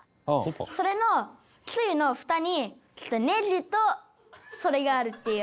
それのつゆのふたにネギとそれがあるっていう。